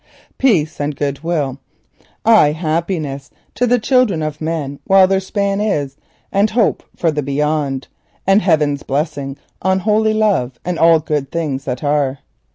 Peace and goodwill! Ay and happiness to the children of men while their span is, and hope for the Beyond, and heaven's blessing on holy love and all good things that are.